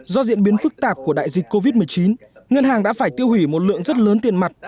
do diễn biến phức tạp của đại dịch covid một mươi chín ngân hàng đã phải tiêu hủy một lượng rất lớn tiền mặt